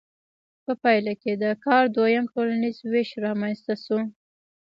په پایله کې د کار دویم ټولنیز ویش رامنځته شو.